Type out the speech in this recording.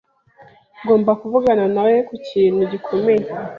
Ngomba kuvugana nawe kukintu gikomeye.